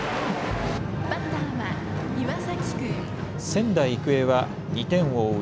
仙台育英は２点を追う